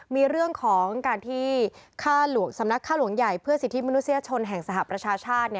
มีเรื่องของการที่สำนักฆ่าหลวงใหญ่เพื่อสิทธิมนุษยชนแห่งสหประชาชาติ